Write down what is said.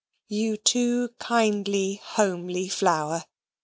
You too, kindly, homely flower!